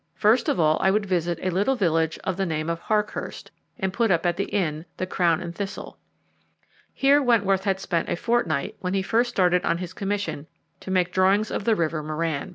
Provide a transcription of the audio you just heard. First of all I would visit a little village of the name of Harkhurst, and put up at the inn, the Crown and Thistle. Here Wentworth had spent a fortnight when he first started on his commission to make drawings of the river Merran.